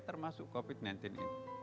termasuk covid sembilan belas ini